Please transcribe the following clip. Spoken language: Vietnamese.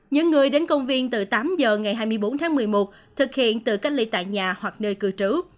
những người đến công viên từ tám giờ ngày hai mươi bốn tháng một mươi một thực hiện tự cách ly tại nhà hoặc nơi cư trú